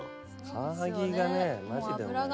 カワハギがねマジでうまい。